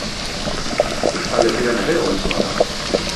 Euskal Herrian ere ohikoa da.